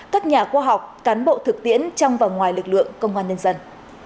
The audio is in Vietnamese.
các nhà khoa học cán bộ thực tiễn trong và ngoài lực lượng công an nhân dân